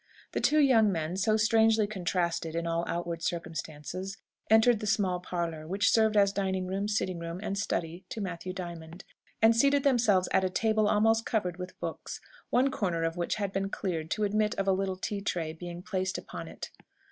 The two young men, so strangely contrasted in all outward circumstances, entered the small parlour, which served as dining room, sitting room, and study to Matthew Diamond, and seated themselves at a table almost covered with books, one corner of which had been cleared to admit of a little tea tray being placed upon it.